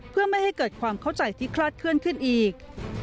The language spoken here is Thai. เพื่อไม่ให้เกิดความเข้าใจที่คลาดเคลื่อนขึ้นอีก